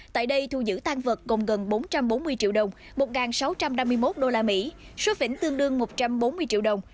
tại đây thu giữ tan vật gồm gần bốn trăm bốn mươi triệu đồng một sáu trăm năm mươi một usd số phỉnh tương đương một trăm bốn mươi triệu đồng